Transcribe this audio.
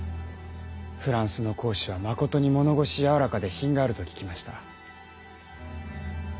フランスの公使はまことに物腰柔らかで品があると聞きました。